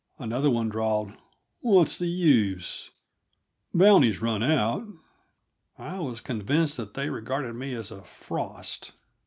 Another one drawled: "What's the use? The bounty's run out." I was convinced that they regarded me as a frost.